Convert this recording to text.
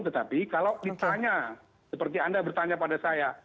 tetapi kalau ditanya seperti anda bertanya pada saya